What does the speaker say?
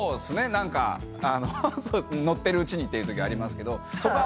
何かノッてるうちにっていうときありますけど。